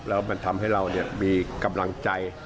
แล้วมันทำให้เรามีกำลังใจ